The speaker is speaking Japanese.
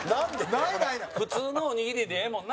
後藤：普通のおにぎりでええもんな？